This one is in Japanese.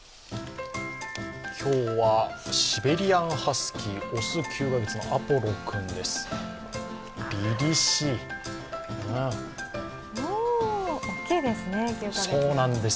今日はシベリアンハスキー、雄９カ月のアポロくんです。